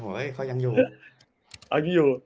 เฮ้ยเขายังอยู่